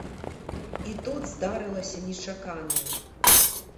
І тут здарылася нечаканае.